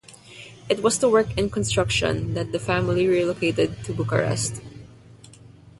It was to work in construction that the family relocated to Bucharest.